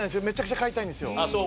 めちゃくちゃ飼いたいんですよ。